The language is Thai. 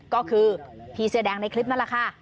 ก็คือพี่เสื้อแดงในคลิปนั่นแหละค่ะ